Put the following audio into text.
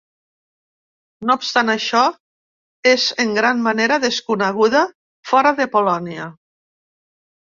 No obstant això, és en gran manera desconeguda fora de Polònia.